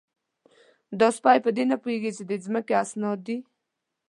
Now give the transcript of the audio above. _دا سپۍ په دې نه پوهېږي چې د ځمکې اسناد دي؟